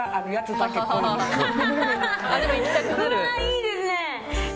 いいですね。